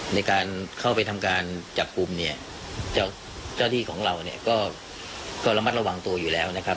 ในการเข้าไปทำการจับกลุ่มเนี่ยเจ้าที่ของเราเนี่ยก็ระมัดระวังตัวอยู่แล้วนะครับ